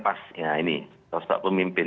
pas ya ini tosok pemimpin